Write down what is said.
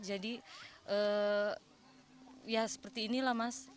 jadi ya seperti inilah mas